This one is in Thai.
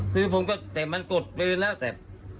คือผมก็แต่มันกดปืนแล้วแต่